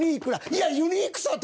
いや！